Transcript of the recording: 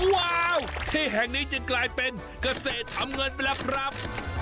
ว้าวที่แห่งนี้จึงกลายเป็นเกษตรทำเงินไปแล้วครับ